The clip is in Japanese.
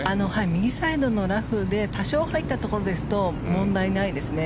右サイドのラフで多少入ったところですと問題ないですね。